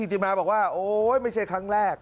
ติมาบอกว่าโอ๊ยไม่ใช่ครั้งแรก